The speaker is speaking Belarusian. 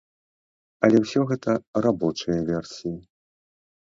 Але ўсё гэта рабочыя версіі.